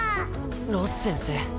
ロス先生